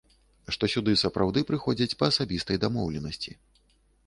Што сюды сапраўды прыходзяць па асабістай дамоўленасці.